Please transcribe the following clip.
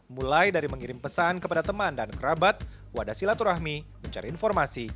mulai dari mengirim pesan kepada teman dan kerabat wadah silaturahmi mencari informasi